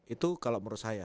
itu kalau menurut saya